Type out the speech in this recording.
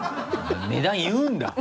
値段言うんだ。